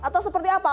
atau seperti apa